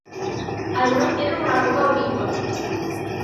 Algunos tienen una popa oblicua.